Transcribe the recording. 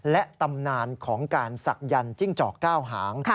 และตำนานของการศักยันต์จิ้งจอก๙หาง